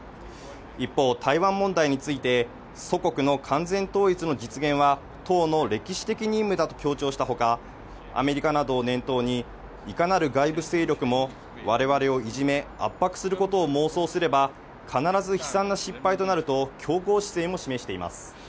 一方、台湾問題について祖国の完全統一の実現は党の歴史的任務だと強調したほか、アメリカなどを念頭にいかなる外部勢力も我々をいじめ、圧迫することを妄想すれば、必ず悲惨な失敗になると強硬姿勢も示しています。